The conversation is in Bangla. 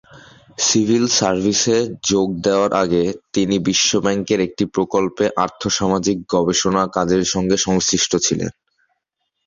সিভিল সার্ভিসে যোগ দেয়ার আগে তিনি বিশ্বব্যাংকের একটি প্রকল্পে আর্থসামাজিক গবেষণা কাজের সঙ্গে সংশ্লিষ্ট ছিলেন।